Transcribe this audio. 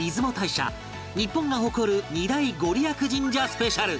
日本が誇る２大ご利益神社スペシャル